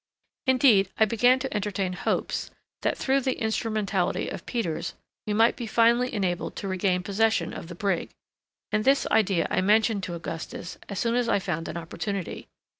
Indeed, I began to entertain hopes, that through the instrumentality of Peters we might be finally enabled to regain possession of the brig, and this idea I mentioned to Augustus as soon as I found an opportunity.